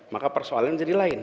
maka persoalan menjadi lain